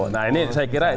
nah ini saya kira